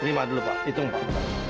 terima dulu pak hitung pak